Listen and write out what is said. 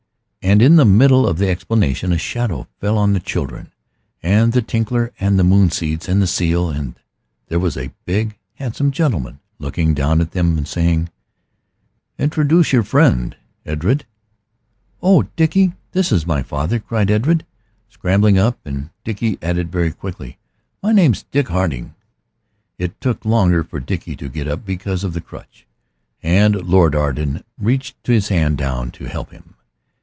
And in the middle of the explanation a shadow fell on the children and the Tinkler and the moon seeds and the seal, and there was a big, handsome gentleman looking down at them and saying "Introduce your friend, Edred." "Oh, Dickie, this is my father," cried Edred, scrambling up. And Dickie added very quickly, "My name's Dick Harding." It took longer for Dickie to get up because of the crutch, and Lord Arden reached his hand down to help him.